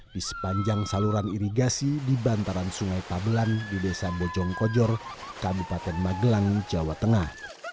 di sepanjang saluran irigasi di bantaran sungai pabelan di desa bojongkojor kabupaten magelang jawa tengah